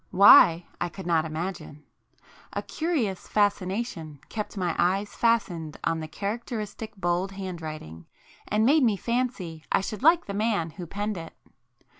Why, I could not imagine. A curious fascination kept my eyes fastened on the characteristic bold handwriting, and made me fancy I should like the man who penned it.